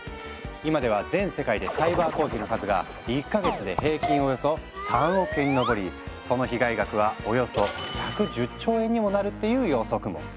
今では全世界でサイバー攻撃の数が１か月で平均およそその被害額はおよそ１１０兆円にもなるっていう予測も。